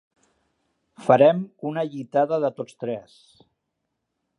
Farem una llitada de tots tres.